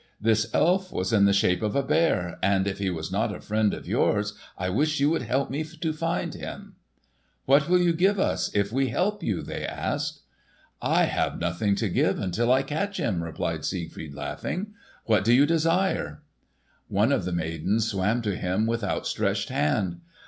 This elf was in the shape of a bear, and if he was not a friend of yours, I wish you would help me find him." "What will you give us if we help you?" they asked. "I have nothing to give until I catch him," replied Siegfried laughing. "What do you desire?" One of the maidens swam to him with outstretched hand.